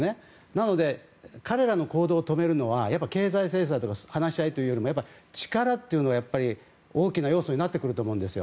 なので、彼らの行動を止めるのは経済制裁や話し合いよりも力というのが大きな要素になってくると思うんです。